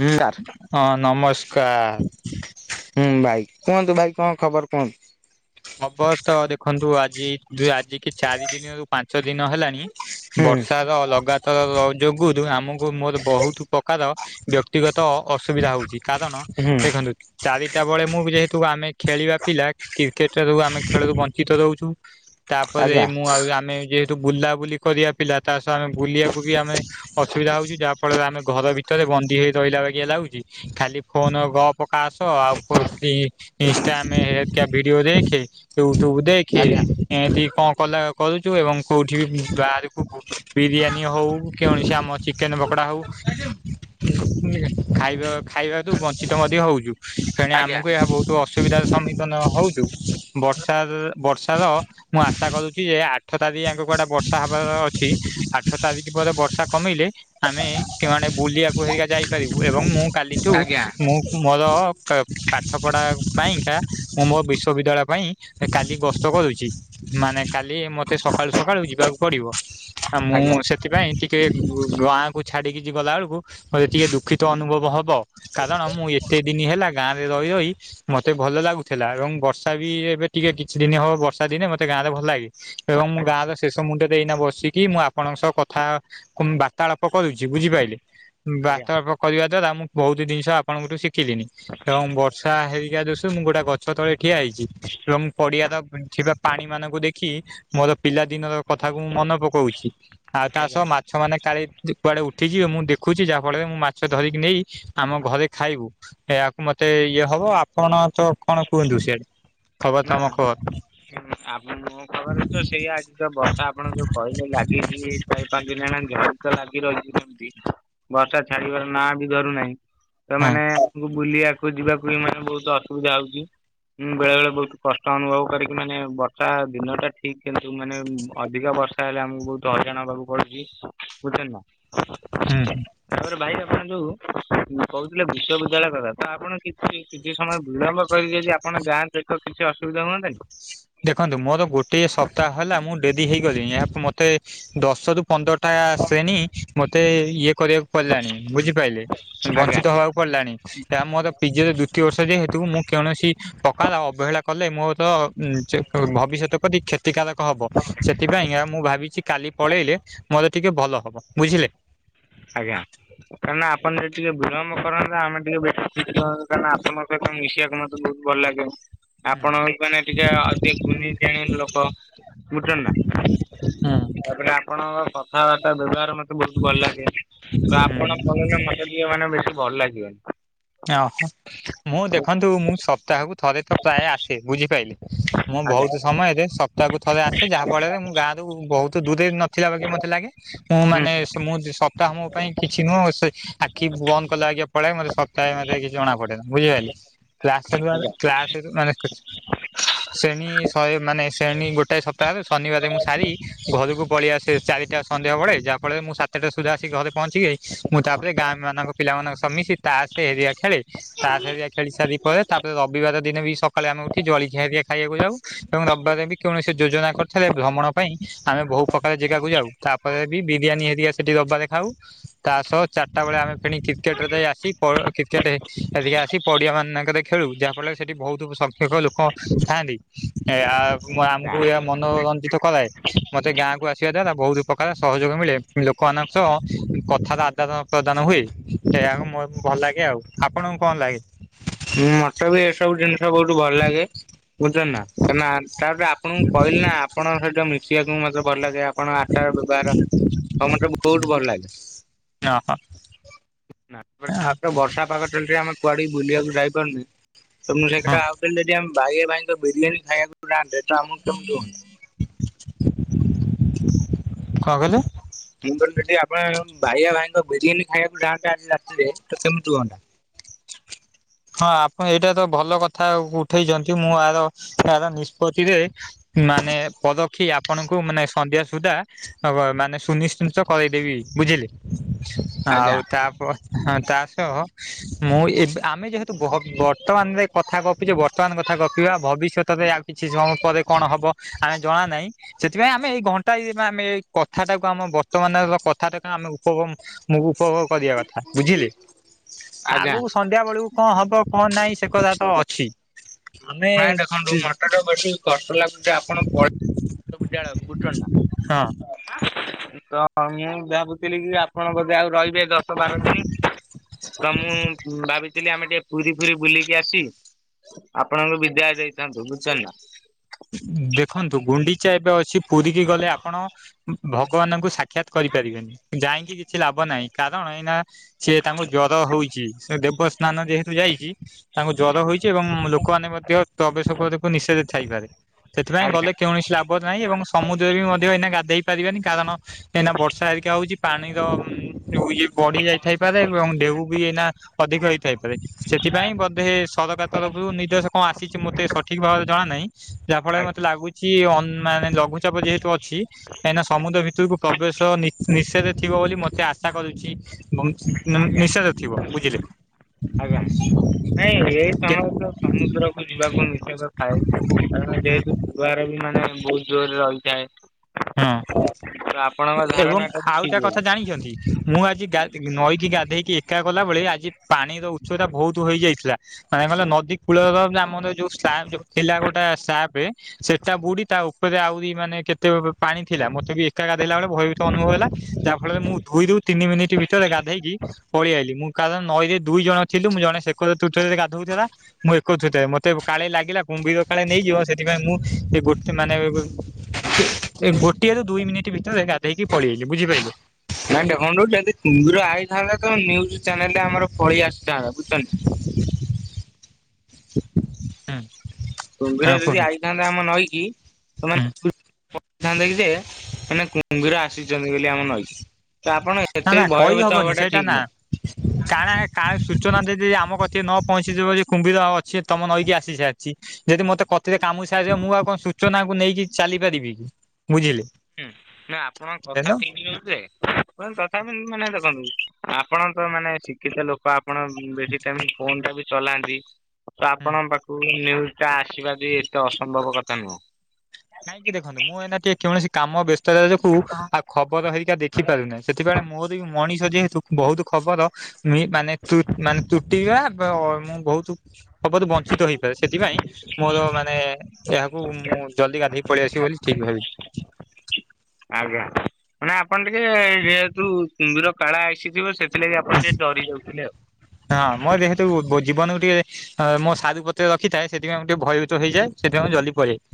ହୁଁ ସାର୍ ହଁ ନମସ୍କାର ହୁଁ ଭାଇ କୁହନ୍ତୁ ଭାଇ କଣ ଖବର କୁହନ୍ତୁ ହବ ତ ଦେଖନ୍ତୁ ଆଜି ଆଜି କି ଚାରି ଦିନରୁ ପାଞ୍ଚ ଦିନ ହେଲାଣି ହୁଁ ବର୍ଷ ର ଲଗାତାର ଯୋଗୁରୁ ଆମକୁ ମୋର ବହୁତ ପ୍ରକାର ବ୍ୟକ୍ତି ବ୍ୟତିଗତ ଅସୁବିଧା ହଉଛି କାରଣ ହୁଁ ଦେଖନ୍ତୁ ଚାରିଟା ବେଳେ ମୁଁ ଯେହେତୁ ଆମେ ଖେଳିବା ପିଲା କି କେଟ ର ଆମେ ଖେଳରୁ ବଞ୍ଚିତ ରଉଛୁ ତାପରେ ଆଜ୍ଞା। ମୁଁ ଆଉ ଆମେ ଯ ୁ ବୁଲାବୁଲି କରିବା ପିଲା ତା ସହ ଆମେ ବୁଲିବାକୁ ବି ଆମେ ଅସୁବିଧା ହଉଛି ଯାହା ଫଳରେ ଆମେ ଘର ଭିତରେ ବନ୍ଦୀ ହେଇ ରହିଲା ବାଆ ଲାଗୁଛି ଖାଲି ଫୋନ ଗ ପକା ଆସ ଆଉ ଇ ଭିଡିଓ ଦେଖେ ୟୁଟୁବ ଦେଖେ ଆଜ୍ଞା ଏମିତି କଣ କଲା କରୁଚୁ ଏବଂ କୋଉଠି ବି ବାହାରକୁ ବିରିୟାନୀ ହୋଉ କୌଣସି ଆମ ଚିକେନ ପକୋଡା ହୋଉ। [unintelligible] ଖାଇବା ଖାଇବା ରୁ ବଞ୍ଚିତ ମଧ୍ୟ ହୋଉଚୁ। ଫେଣେ ଆଜ୍ଞା ଆମକୁ ଏହା ବୋହୁତ ଅସୁବିଧାର ସମ୍ମୁଖୀନ ହୋଉଚୁ। ବର୍ଷାରେ ବର୍ଷାର ମୁଁ ଆଶା କରୁଚି ଯେ ଆଠ ତାରିଖ ଯାଁକ କୁଆଡେ ବର୍ଷା ହବାର ଅଛି। ଆଠ ତାରିଖ ପରେ ବର୍ଷା କମିଲେ ଆମେ କେଉଁ ଆଡେ ବୁଲିବାକୁ ହେରିକା ଯାଇପାରିବୁ। ଏବଂ ମୁଁ କାଲିଠୁ ଆଜ୍ଞା ମୁଁ ମୋର ପାଠ ପଢା ପାଇଁକା ମୁଁ ମୋ ବିଶ୍ୱବିଦ୍ୟାଳୟ ପାଇଁ କାଲି ଗସ୍ତ କରୁଚି। ମାନେ କାଲି ମତେ ସକାଳୁ ସକାଳୁ ଯିବାକୁ ପଡିବ। ଆଉ ମୁଁ ସେଥିପାଇଁ ଟିକେ ଗାଁକୁ ଛାଡିକି ଗଲା ବେଳକୁ ମୋତେ ଟିକେ ଦୁଃଖିତ ଅନୁଭବ ହବ କାରଣ ମୁଁ ଏତେ ଦିନ ହେଲା ଗାଁ ରେ ରହି ରହି ମତେ ଭଲ ଲାଗୁଥିଲା। ଏବଂ ବର୍ଷା ବି ଏବେ ଟିକେ କିଛି ଦିନ ହବ ବର୍ଷା ଦିନେ ମତେ ଗାଁରେ ଭଲ ଲାଗେ। ଏବଂ ମୁଁ ଗାଁର ଶେଷ ମୁଣ୍ଡରେ ଏଇନା ବସିକି ମୁଁ ଆପଣଙ୍କ ସହ କଥା କୁଂମ ବାର୍ତ୍ତାଳାପ କରୁଚି ବୁଝିପାଇଲେ ଆଜ୍ଞା ବର୍ତ୍ତାଳାପା କରିବା ଦ୍ଵାରା ମୁଁ ବୋହୁତ ଜିନିଷ ଆପଣଙ୍କଠୁ ଶିଖିଲିଣି ଏବଂ ବର୍ଷା ହେଇକା [unintelligible] ମୁଁ ଗୋଟେ ଗଛ ଛ ତଳେ ଠିଆ ହେଇଚି। ଏବଂ ପଡିଆର ଥିବା ପାଣି ମାନଙ୍କୁ ଦେଖି ମୋର ପିଲା ଦିନର କଥାକୁ ମୁଁ ମନେ ପକୋଉଚି। ଆଉ ତା ଆଜ୍ଞା ସହ ମା ସେମାନେ କାଳେ କୁଆଡେ ଉଠି ଜିବେ। ମୁଁ ଦେଖୁଚି ଯାହା ଫଳରେ ମୁଁ ମାଛ ଧରିକି ନେଇ ଆମ ଘରେ ଖାଇବୁ। ଏହାକୁ ମତେ ଇଏ ହବ ଆପଣ ତ କଣ କୁହନ୍ତୁ ସିଆଡେ ଖବର ତମ ଖବର? ହୁଁ ଆମ ମୋ ଖବରତ ସେଇୟା। ଆଜି ତ ବର୍ଷା ଆପଣ ଯୋଉ କହିଲେ ଲାଗିଚି ଏଇ ଚାରି ପାଞ୍ଚିଦିନି ହେଲାଣି। ଝଡିତ ଲାଗି ରହିଚି ଏମିତି ବର୍ଷା ଛାଡିବାର ନାଁ ବି ଧରୁନାହିଁ। ତ ହଁ ମାନେ ଆମକୁ ବୁଲିବାକୁ ଯିବାକୁ ବି ମାନେ ବୋହୁତ ଅସୁବିଧା ହୋଉଚି। ବେଳେ ବେଳେ ବୋହୁତ କଷ୍ଟ ଅନୁଭବ କରିକି ମାନେ ବର୍ଷା ଦିନ ଟା ଠିକ୍ କିନ୍ତୁ ମାନେ ଅଧିକ ବର୍ଷା ହେଲେ ଆମକୁ ବୋହୁତ ହାଇରଣ ହେବାକୁ ପଡୁଚି ବୁଝୁଚନ୍ତି ନା। ହୁଁ। ତାପରେ ଭାଇ ଆପଣ ଯୋଉ କୋହୁଥିଲେ ବିଶ୍ୱ ବିଦ୍ୟାଳୟ କଥା ତ ଆପଣ କିଛି କିଛି ସମୟ ବିଳମ୍ବ କରିିକି ଯଦି ଆପଣ ଯାଆନ୍ତେ ତ କିଛି ଅସୁବିଧା ହୁଅନ୍ତାନି। ଦେଖନ୍ତୁ ମୋର ଗୋଟଏ ସପ୍ତାହ ହେଲା ମୁଁ ଡେରି ହେଇଗଲିଣି ଏହାକୁ ମତେ ଦଶରୁ ପନ୍ଦରଟା ଶ୍ରେଣି ମତେ ଇଏ କରିବାକୁ ପଡିଲାଣି ବୁଝିପାରିଲେ ଆଜ୍ଞା ବଞ୍ଚିତ ହବା ପଡିଲାଣି ଏହା ମୋର ପିଜିର ଦ୍ୱିତୀୟ ବର୍ଷ ଯେହେତୁ ମୁଁ କୌଣସି ପ୍ରକାର ଅବହେଳା କଲେ ମୋର ଚେକ ଭବିଷ୍ୟତ [unintelligible] କ୍ଷତିକାରକ ହବ। ସେଥିପାଇଁ ଏହା ମୁଁ ଭାବିଚି କାଲି ପଳେଇଲେ ଗଲେ ଟିକେ ଭଲ ହବ ବୁଝିଲେ। ଆଜ୍ଞା। କାହିଁନା ଆପଣ ଯଦି ଟିକେ ବିଳମ୍ୱ କରନ୍ତେ। ଆମେ ଟିକେ ବେଶି ସିକନ୍ତୁ କାରଣ ଆପଣଙ୍କ ସହ ମିଶିବାକୁ ମ ବୋହୁତ ଭଲ ଲାଗେ। ହୁଁ। ଆପଣ ଇଏ ମାନେ ଟିକେ ଅଧି କୁନି [unintelligible] ଲୋକ ବୁଝୁଚନ୍ତି ନା। ତାପରେ ଆପଣଙ୍କ କଥାବାର୍ତ୍ତା ବ୍ୟବହାର ମତେ ବୋହୁତ ଭଲ ଲାଗେ। ହୁଁ ଆପଣ ପଳେଇଲେ ମତେ ଟିକେ ମାନେ ବେଶୀ ଭଲ ଲାଗିବନି। ଓହ ମୁଁ ଦେଖନ୍ତୁ ମୁଁ ସପ୍ତାହକୁ ଥରେ ତ ପ୍ରାୟ ଆ ସେ ବୁଝିପାଇଲେ ମୁଁ ଆଜ୍ଞା ବୋହୁତ ସମୟରେ ସ ପ୍ତାହକୁ ଥରେ ଆସେ ଯାହା ଫଳରେ ମୁଁ ଗାଁରୁ ବୋହୁତ ଦୂରେ ନ ଥିଲା ବାଗିଆ ମତେ ଲାଗେ। ମୁଁ ହୁଁ। ମାନେ ମୁଁ ସ କାମ ପାଇଁ କିଛି ନୁହଁ ସେ ଆଖି ବନ୍ଦ କଲେ ଆଜ୍ଞା ପଳାଏ ମତେ ସ କାଇଁ ମତେ କିଛି ଜଣା ପଡେନି ବୁଝିପାଇଲେ [unintelligible] ଶ୍ରେଣୀ ଶହେ ମାନେ ଶ୍ରେଣୀ ଗୋଟାଏ ସପ୍ତାହରେ ଶନିବାର ମୁଁ ସାରି ଘରକୁ ପଳେଇ ଆସେ ଚାରିଟା ସନ୍ଧ୍ୟାବେଳେ ଯାହାଫଳରେ ମୁଁ ସାତଟା ସୁଦ୍ଧା ଆସି ଘରେ ପହଞ୍ଚି [unintelligible] ମୁଁ ତାପରେ ଗାଁ ମାନଙ୍କ ପିଲାମାନଙ୍କ ସହ ମିଶି ତାସ ହେରିଆ ଖେଳେ। ତାସ ହେରିଆ ଖେଳି ସାରି ପରେ ତାପରେ ରବିବାର ଦିନ ବି ସକାଳେ ଆମେ ଉଠି ଜଳି ଖିଆ ଟିକେ ଖାଇବାକୁ ଯାଉ। ଏବଂ ରବିବାର ବି କୌଣସି ଯୋଜନା କରିଥିଲେ ଭ୍ରମଣ ପାଇଁ ଆମେ ବହୁ ପ୍ରକାର ଜାଗାକୁ ଯାଉ। ତାପରେ ବି ବିରିୟାନୀ ହେରିକା ସେଠି ରବାରେ ଖାଉ। ତା ସହ ଚାରିଟା ବେଳେ ଆମେ ଫିଣି କ୍ରିକେଟ ରେ ଆସି ପ କ୍ରିକେଟ ଏତିକି ଆସି ପଡ଼ିଆ ମାନଙ୍କ ଖେଳୁ ଯାହାଫଳରେ ସେଠି ବହୁତ ସଂଖ୍ୟକ ଲୋକ ଥାଆନ୍ତି। ଏ ଆ ଆମକୁ ଏହା ମନୋରଞ୍ଜିତ କରାଏ। ମତେ ଗାଁ କୁ ଆସିବା ଦ୍ଵାରା ବହୁତ ପ୍ରକାର ସହଯୋଗ ମିଳେ ଲୋକମାନଙ୍କ ସହ କଥାର ଆଦାନ ପ୍ରଦାନ ହୁଏ ସେଆକୁ ମୋ ଭଲ ଲାଗେ ଆଉ ଆପଣଙ୍କୁ କଣ ଲାଗେ? ମତେ ବି ଏସବୁ ଜିନିଷ ବହୁତୁ ଭଲ ଲାଗେ ବୁଝୁଛ ନା। ନା ତାପଟ ଆପଣଙ୍କୁ କହିଲେ ନା ଆପଣ ସେଇଟ ମିଶିବାକୁ ମତେ ଭଲ ଲାଗେ। ଆପଣ ଆଚାର ବ୍ୟବହାର ତ ମତେ ବହୁତ ଭଲ ଲାଗେ। ଅ ହ। ବର୍ଷା ପାଗ ଏମିତି ଆମେ କୁଆଡ଼ିକି ବୁଲିବାକୁ ଯାଇ ପାରୁନି। ତ ମୁଁ ସେଇ କଥା ଆଉ ଥରେ ଆମେ ଯଦି ଆମ ବାଇଆ ଭାଇଙ୍କ ବିରିୟାନୀ ଖାଇବାକୁ ଯାଆନ୍ତେ ଆମକୁ କେମିତି ହୁଅନ୍ତା? କଣ କହିଲେ? ମୁ କହିଲି, ଯଦି ଆପଣ ଙ୍କୁ ଭାଇଆ ଭାଇଙ୍କ ବିରିୟାନୀ ଖାଇବାକୁ ଯାଆନ୍ତେ ଆଜି ରାତିରେ, ତ କେମିତି ହୁଅନ୍ତା? ହଁ ଆପଣ ଏଇଟା ତ ଭଲ କଥା ଉଠେଇଛନ୍ତି। ମୁଁ ଆର ଏହାର ନିଷ୍ପତିରେ ମାନେ ପରକ୍ଷୀ ଆପଣଙ୍କୁ ମାନେ ସନ୍ଧ୍ୟା ସୁଦ୍ଧା ହବ ମାନେ ସୁନିଶ୍ଚିିତ କରେଇ ଦେବି ବୁଝିଲେ। ଆଉ ଆଜ୍ଞା ତାପ ତା ସହ ମୁଁ ଏବେ ଆମେ ଯେହେତୁ ବହ ବର୍ତ୍ତମାନରେ କଥା ଗପିଚେ ବର୍ତ୍ତମାନ କଥା ଗପିବା ଭବିଷ୍ୟତରେ ଆ କିଛି ସମୟ ପରେ କଣ ହବ ଆମେ ଜଣା ନାହିଁ। ସେଥିପାଇଁ ଆମେ ଏଇ ଘଣ୍ଟାଇ ଆମେ ଏଇ କଥାଟାକୁ। ଆମ ବର୍ତ୍ତମାନ ର କଥାଟାକୁ ଆମେ ଉପବମ ମୁଁ ଉପଭୋଗ କରିଆ। ବୁଝିଲେ, ଆଜ୍ଞା ଆଗୁକୁ ସନ୍ଧ୍ୟା ବେଳକୁ କଣ ହବ, କଣ ନାଇଁ ସେ କଥା ତ ଅଛି। ଆମେ ନାଇଁ ଦେଖନ୍ତୁ ମତେ ତ ବେଶୀ କଷ୍ଟ ଲାଗୁଛି ଆପଣ ପ ସବୁ [unintelligible] ବୁଝୁ ଛନ୍ତି ହଁ ନାଁ। ତ, ମୁଁ ଭାବୁଥିଲି କି ଆପଣ ବଧେ ଆଉ ରହିବେ ଦଶ ବାର ଦିନି। ତ ମୁଁ ଭାବିଥିଲି, ଆମେ ଟିକେ ପୁରୀ ଫୁରି ବୁଲିକି ଆସି ଆପଣ ଙ୍କୁ ବିଦାୟ ଦେଇଥାନ୍ତୁ, ବୁଝୁଛନ୍ତି ନାଁ। ଦେଖନ୍ତୁ ଗୁଣ୍ଡିଚା ଏବେ ଅଛି ପୁରୀ କିି ଗଲେ ଆପଣ, ଭଗବାନଙ୍କୁ ସା ସାକ୍ଷାତ୍ କରି ପାରିବେନି, ଯାଇଁକି କିଛି ଲାଭ ନାହିଁ। କାରଣ ଏଇନା ସିଏ ତାଙ୍କୁ ଜର ହଉଛି, ସେ ଦେବସ୍ନାନ ଯେହେତୁ ଯାଇଛି। ତାଙ୍କୁ ଜ୍ୱର ହୋଇଛି ଏବଂ ଲୋକମାନେ ମଧ୍ୟ ତବେଶକୁ ନିଷେଧ ଥାଇପାରେ। ସେଥିପାଇଁ ଆଜ୍ଞା ଗଲେ କେଉଁଣସି ଲାଭ ନାହିଁ। ଏବଂ ସମୁଦ୍ରରେ ବି ମଧ୍ୟ ଏଇନା ଗାଧେଇ ପାରିବାନି କାଲଣ କାଇଁ ନା ବର୍ଷା ହେରିକା ହଉଛି। ପାଣିର ଉଁ ଯୋଉ ଇଏ ବଢି ଯାଇଥାଇ ପାରେ? ଏବଂ ଢ଼େଉ ବି ଏଇନା ଅଧିକ ହେଇ ଥାଇପାରେ ସେଥିପାଇଁ ବଧେ ସରକାର ତରଫରୁ ନିର୍ଦ୍ଦେଶ କଣ ଆସିଛି। ମୋତେ ସଠିକ୍ ଭାବରେ ଜଣା ନାହିଁ। ଯା ଫଳରେ, ମତେ ଆଜ୍ଞା ଲାଗୁଛି ଅ ମାନେ ଲଘୁଚାପ ଯେହେତୁ ଅଛି। କାଇଁ ନା, ସମୁଦ୍ର ଭିତରକୁ ପ୍ରବେଶ ନି ନିଷେଧ ଥିବ ବୋଲି, ମତେ ଆଶା କରୁଛି। ଏବଂ, ଆଜ୍ଞା ନି-ନିଷେଧ ଥିବେ ବୁଝିଲେ। ଆଜ୍ଞା, ନାଇଁ। ଏଇ ସମୟ ତ ସମୁଦ୍ର ଯିବାକୁ ନିଷେଦ ଥାଏ, କାରଣ ଯେହେତୁ ଜୁଆର ବି ମାନେ ବହୁତ ଜୋରରେ ରହିଥାଏ। ହୁଁ, ତ ଆପଣଙ୍କ ଏବଂ ଧାରଣା ଟା ବି ଠିକ ଆଉଟା କଥା ରହୁଛି। ଜାଣିଛନ୍ତି? ମୁଁ ଆଜି ଗା ନଈକି ଗାଧେଇକି ଏକା ଗଲା ବେଳେ ଆଜି ପାଣିର ଉଚ୍ଚତା ବହୁତ ହୋଇ ଯାଇଥିଲା। କାଇଁ କହିଲ ନଦୀ କୂଳର ଆମର ଯୋଉ ସ୍ଲାପ୍ ଥିଲା ଗୋଟେ ସ୍ଲାପେ। ସେଟା ବୁଢୀ, ତା ଉପରେ ଆହୁରି ମାନେ କେତେ ପାଣି ଥିଲା। ମୋତେ ବି ଏକା ଗାଧେଇଲା ବେଳେ ଭୟଭୀତ ଅନୁଭବ ହେଲା, ଯାହା ଫଳରେ ମୁଁ ଦୁଇରୁ ତିନି ମିନିଟ୍ ଭିତରେ ଗାଧେଇକି ପଳି ଆଇଲି ମୁଁ, କାରଣ ନଈରେ ଦୁଇ ଜଣ ଥିଲୁ। ମୁଁ ଜଣେ, ସେକରେ ତୁଠରେ ଗାଧଉଥିଲା। ମୁଁ ଏକତ୍ରିତ, ମତେ କାଳେ ଲାଗିଲା କୁମ୍ଭୀର କାଳେ ନେଇଯିବ, ସେଥିପାଇଁ ମୁଁ ଗୋଟେ ମାନେ ଏ ଏ ଗୋଟିଏ ରୁ ଦୁଇ ମିନିଟ୍ ଭିତରେ ଗାଧେଇକି ପଳି ଆଇଲି ବୁଝିପାଇଲେ। ଜାଣିଚ ବନ୍ଧୁ ଯଦି କୁମ୍ଭୀର ଆଇଥାନ୍ତା ତମେ ନିଉଜୁ ଚ୍ୟାନେଲରେ ଆମର ପଳେଇ ଆସିଥାନ୍ତା [unintelligible] ହୁଁ। କୁମ୍ଭୀର ହଁ ଯଦି କୁହନ୍ତୁ ଆଇଥାନ୍ତା ଆମ ନଈକି ହୁଁ [unintelligible] ଯେ ମାନେ କୁମ୍ଭୀର ଆସିଛନ୍ତି ବୋଲି ଆମ ନଈକି। ତ ଆପଣ ନା ଏତେ ବି ଭୟଭୀତ ହବାଟା ଠିକ୍ ନୁହଁ। ଚ୍ୟାନେଲ କାଳେ ସୂଚନା ଯଦି ଆମ କତିରେ ନ ପହଞ୍ଚି ଯିବ ଯେ କୁମ୍ଭୀର ଅଛି ତମ ନେଇକି ଆସି ସାରିଛି। ଯଦି ମତେ କତିରେ କାମୁଡ଼ି ସାରିଥିବ ମୁଁ ଆଉ କଣ ସୂଚନାକୁ ନେଇକି ଚାଲି ପାରିବିକି। ହୁଁ ନା ଆପଣଙ୍କ କଥା ହୁଁ ଠିକ୍ ନ୍ୟୁଜ୍ ଯେ [unintelligible] ତଥାବି ଉଁ ମାନେ ଦେଖନ୍ତୁ। ଆପଣ ତ ମାନେ ଶିକ୍ଷିତ ଲୋକୋ ଆପଣ ବେଶୀ ଟାଇମ୍ ଫୋନ୍ ଟା ବି ଚଲାନ୍ତି। ତ ଆପଣଙ୍କ ପାଖୁକୁ ନ୍ୟୁଜ୍ ଟା ଆସିବା ବି ଏତେ ଅସମ୍ଭବ କଥା ନୁହଁ। କାହିଁକି ଦେଖନ୍ତୁ ମୁଁ ଏଇନାକେ କୌଣସି କାମ ବେସ୍ [unintelligible] ଆଉ ଖବର ହେରିକା ଦେଖି ପାରୁନାହିଁ ସେଥିପାଇଁ ମୋରୋ ବି ମଣିଷ ଯେହେତୁ ବୋହୁତ ଖବର ମୁଇ ମାନେ ତୁ ମାନେ ତୁଟିବା ବାଅ ମୁଁ ବୋହୁତୁ [unintelligible] ବଞ୍ଚିତ ହେଇପାରେ ସେଥିପାଇଁ ମୋରୋ ମାନେ ଏହାକୁ ମୁଁ ଜଲ୍ଦି ଗାଧେଇକି ପଳେଇ ଆସିବି ବୋଲି ଠିକ୍ ଭାବି ଆଜ୍ଞା ମାନେ ଆପଣ ଟିକେ ଯେହେତୁ କୁମ୍ଭୀର କାଳା ଆସିଥିବ ସେ ଥିଲାଗି ଆପଣ ଟିକେ ଡରି ଯାଉଥୁଲେ ଆଉ। [unintelligible] ଯେହେତୁ ବୁ ଜୀବନକୁ ଟିକେ ଅଁ ମୋ ସାରୁ ପତ୍ର ରଖିଥାଏ ସେଥିପାଇଁ ମୁଁ ଟିକେ ଭୟଭୀତ ହେଇଯାଏ ସେଥିପାଇଁ ମୁଁ ଜଲ୍ଦୀ ପଳେଇ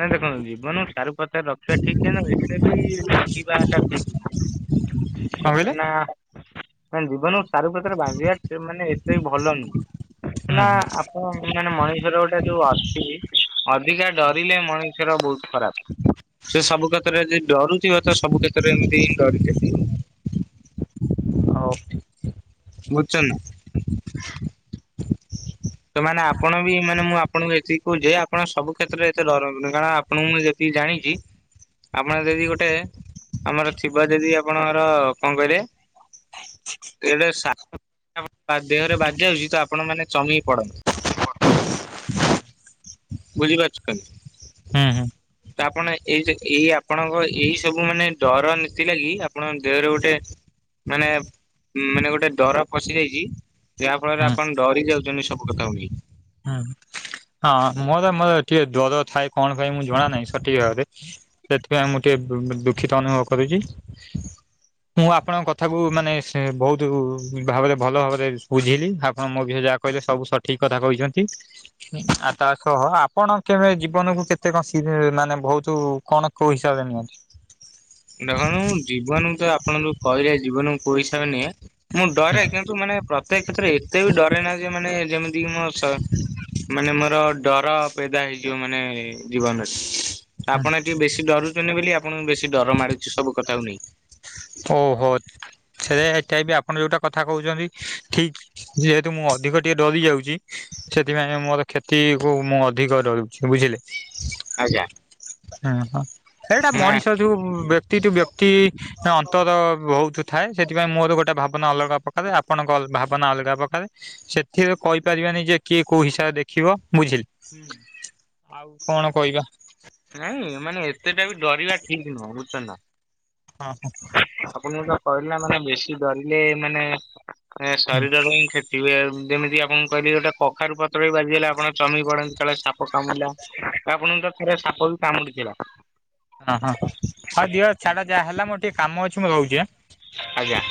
ନାଇଁ ଦେଖନ୍ତୁ ଜୀଵନ ସାରୁ ପତର ରଖିବା ଠିକ୍ କିନ୍ତୁ ଏତେ ବି [unintelligible] ଵା ଟା ଠିକ୍ ନୁହଁ। [inaudible] କହିଲେ? [unintelligible] ନାଇଁ ଜୀଵନକୁ ସାରୁପତ୍ରରେ ବାନ୍ଧିବା ଏତେ ମାନେ ଏତେ ଭଲ ନୁହୁଁ [unintelligible] [unintelligible] ହୁଁ ମାନେ ମଣିଷର ଗୋଟେ ଯୋଉ ଅଛି ଅଧିକା ଡର ରିଲେ ମଣିଷର ବୋହୁତ ଖରାପ। ସେ ସବୁ କ୍ଷେତ୍ରରେ ଯଦି ଡରୁଥିବ ତ ସବୁ କ୍ଷେତରେ ଏମିତି ହିଁ ଡରି ଚାଲିଥିବ। [unintelligible] [unintelligible] [inaudible] ତ ମାନେ ଆପଣ ବି ମାନେ ମୁଁ ଆପଣଙ୍କୁ ଏତିକି କୋହୁଚି ଯେ ଆପଣ ସବୁ କ୍ଷେତ୍ରରେ ଏତେ ଡରନ୍ତୁନି। [unintelligible] ପଣଙ୍କୁ ମୁଁ ଯେତିକି ଜାଣିଚି। ଆପଣ ଯଦି ଗୋଟେ ଆମର ଥିବ ଯଦି ଆପଣଙ୍କର କଁ କହିଲେ [inaudible] [unintelligible] [unintelligible] ଦେହରେ ବାଜ୍ ଯାଉଚି ତ ଆପଣ ମାନେ ଚମିକି ପଡନ୍ତି। [unintelligible] ବୁଝିପାରୁଚନ୍ତି। ହୁଁ ହୁଁ। ତ ଆପଣ ଏଇ ଯେ ଏଇ ଆପଣଙ୍କ ଏଇ ସବୁ ମାନେ ଡର ନୀତି ଲାଗି ଆପଣଙ୍କ ଦେହରେ ଗୋଟେ ମାନେ ଉଁ ମାନେ ଗୋଟେ ଡର ପଶିଯାଇଚି ଯାହା ଫଳରେ ହୁଁ ଆପଣ ଡରି ଯାଉଚନ୍ତି ସବୁ କଥାକୁ ନେଇକି। ହୁଁ ହଁ ମୋରୋ ମୋର ଟିକେ ଡର ଥାଏ କଣ ପାଇଁ ମୁଁ ଜଣା ନାହିଁ ସଠିକ ଭାବରେ। ସେଥିପାଇଁ ମୁଁ ଟିକେ ଦୁଃ ଦୁଃଖିତ ଅନୁଭବ କରୁଚି। ମୁଁ ଆପଣଙ୍କ କଥାକୁ ମାନେ ସେ ବୋହୁତ ଭାବରେ ଭଲ ଭାବରେ ବୁଝେଇଲି ଆପଣ ମୋ ବିଷୟରେ ଯାହା କହିଲେ ସବୁ ସଠିକ କଥା କହିଛନ୍ତି। ଆଉ ତାସହ ଆପଣ କେବେ ଜୀବନକୁ କେତେ କଁ ସିରି ମାନେ ବୋହୁତୁ କଣ କୋଉ ହିସାବରେ ନିଅନ୍ତି। [inaudible] ଦେଖନ୍ତୁ ମୁଁ ଜୀବନକୁ ତ ଆପଣ ଯୋଉ କହିଲେ ଜୀବନକୁ କୋଉ ହିସାବରେ ନିଏ। ମୁଁ ଡରେ କିନ୍ତୁ ମାନେ ପ୍ରତେକ କ୍ଷେତ୍ରରେ ଏତେ ବି ଡରେ ନାହିଁ ଯେ ମାନେ ଯେମି ଡି ମସ ମାନେ ମୋର ଡର ପେଦା ହେଇଯିବ ମାନେ ଜୀବନରେ। ଆପଣ ଏ ଟିକେ ବେଶୀ ଡରୁଛନ୍ତି ବୋଲି ଆପଣଙ୍କୁ ବେଶୀ ଡର ମାଡୁଚି ସବୁ କଥାକୁ ନେଇକି। ଓହୋ ଛେର ଏଟା ବି ଆପଣ ଯୋଉଟା କଥା କହୁଛନ୍ତି ଠିକ୍। ଯେହେତୁ ମୁଁ ଅଧିକ ଟିକେ ଡରି ଯାଉଚି ସେଥିପାଇଁ ମୋର କ୍ଷତିକୁ ମୁଁ ଅଧିକ ଡରୁଛି ବୁଝିଲେ। ଆଜ୍ଞା। ହୁଁ ହଁ ଏଇଟା ନା ମଣିଷ ଯୋଉ ବ୍ୟକ୍ତି ଟୁ‌ ବ୍ୟକ୍ତି ଅନ ନ୍ତର ବହୁତ ଥାଏ ସେଥିପାଇଁ ମୋର ଗୋଟେ ଭାବନା ଅଲଗା ପ୍ରକାରେ ଆପଣଙ୍କ ଅ ଭାବନା ଅଲଗା ପ୍ରକାରେ। ସେଥିରେ କହିପାରିବାନି ଯେ କିଏ କୋଉ ହିସାବରେ ଦେଖିବ ବୁଝିଲି। ଆଉ କଣ କହିବା। ନାଇଁ ମାନେ ଏତେଟା ବି ଡରିବା ଠିକ ନୁହଁ ବୁଜଚନା। ଅ ହୁଁ। ଆପଣ କୁ ଯୋଉଟା କହିଲେ ନା ମାନେ ବେଶୀ ଡରିଲେ ମାନେ ଶରୀର ପାଇଁ କ୍ଷ୍ୟ ଯେବି ଯେମିତି ଆପଣକୁ କହିଲି ଗୋଟେ କଖାରୁ ପତ୍ର ବି ବାଜିଗଲା ଆପଣ ଚମିକି ପଡନ୍ତି ଯେତେବେଳେ ସାପ କାମୁିଡିଲା ଆପଣଙ୍କୁ ତ ଥରେ ସାପ ବି କାମୁଡିଥିଲା। ଅ, ହଁ ହଉ ଦିଅ ଛାଡ ଯାହା ହେଲା ମୋର ଟିକେ କାମ ଅଛି ମୁଁ ରହୁଛି ଆଁ। ଆଜ୍ଞା।